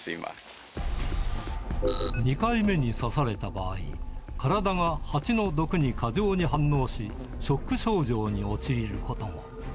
２回目に刺された場合、体がハチの毒に過剰に反応し、ショック症状に陥ることも。